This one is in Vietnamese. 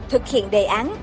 thực hiện đề án